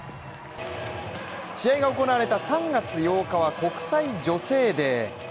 試合が行われた３月８日は国際女性デー。